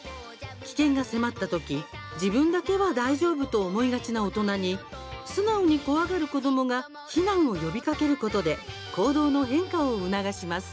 危険が迫ったとき自分だけは大丈夫と思いがちな大人に素直に怖がる子どもが避難を呼びかけることで行動の変化を促します。